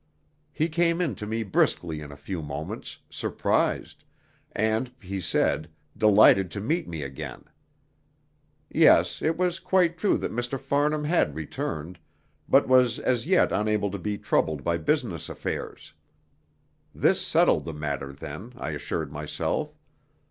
He came in to me briskly in a few moments, surprised, and, he said, delighted to meet me again. Yes, it was quite true that Mr. Farnham had returned, but was as yet unable to be troubled by business affairs. This settled the matter, then, I assured myself.